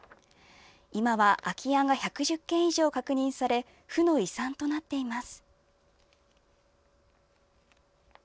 今は空き家が１１０軒以上、確認され負の遺産となっています。